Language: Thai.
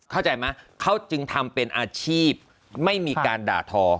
เข้าใจไหมเขาจึงทำเป็นอาชีพไม่มีการด่าทอ